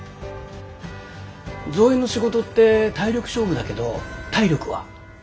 造園の仕事って体力勝負だけど体力は？